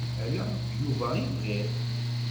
Ala Yuba i bɣiɣ.